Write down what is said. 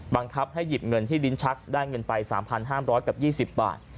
บังคับให้หยิบเงินที่ลิ้นชักได้เงินไป๓๕๐๐กับ๒๐บาท